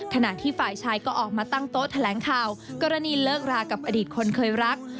ขณะที่ฝ่ายชายก็ออกมาตั้งโต๊ะแถลงข่าวกรณีเลิกรากับอดีตคนเคยรัก